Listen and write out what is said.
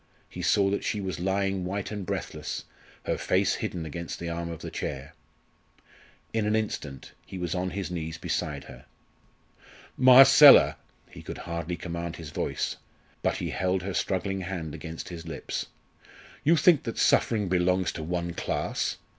He saw that she was lying white and breathless, her face hidden against the arm of the chair. In an instant he was on his knees beside her. "Marcella!" he could hardly command his voice, but he held her struggling hand against his lips. "You think that suffering belongs to one class?